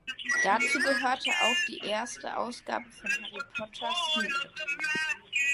Dazu gehörte auch die erste Ausgabe von Harry Potter Scene It?